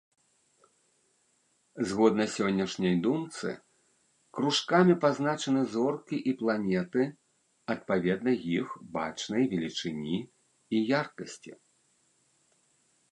Згодна сённяшняй думцы, кружкамі пазначаны зоркі і планеты, адпаведна іх бачнай велічыні і яркасці.